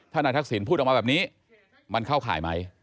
ถ้านายทักษิณพูดออกมาแบบนี้มันเข้าข่ายไหม